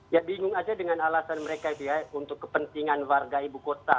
ya bingung aja dengan alasan mereka itu ya untuk kepentingan warga ibu kota